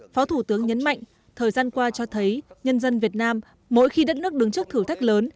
phó thủ tướng nhấn mạnh thời gian qua cho thấy nhân dân việt nam mỗi khi đất nước đứng trước thử thách lớn